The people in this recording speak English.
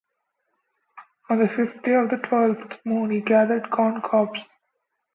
On the fifth day of the twelfth moon he gathered corncobs.